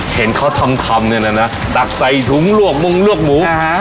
เห็นเขาทำเนี่ยนะตักใส่ถุงลวกมงลวกหมู